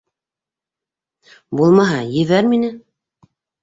Булмаһа, ебәр мине.